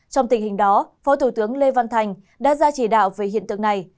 trong tình hình đó phó thủ tướng lê văn thành đã ra chỉ đạo về hiện tượng này